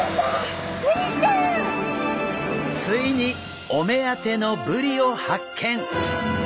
ついにお目当てのブリを発見！